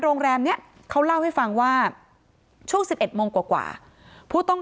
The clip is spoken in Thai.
โรงแรมนี้เขาเล่าให้ฟังว่าช่วง๑๑โมงกว่าผู้ต้อง